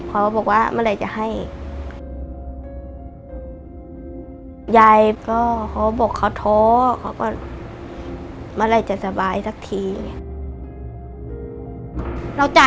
เขาบอกว่าเมื่อไหร่จะให้